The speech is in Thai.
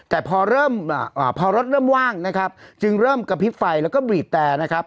แต่พอเริ่มพอรถเริ่มว่างนะครับจึงเริ่มกระพริบไฟแล้วก็บีบแต่นะครับ